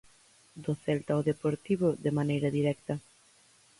Do Celta ao Deportivo de maneira directa.